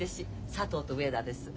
佐藤と上田です。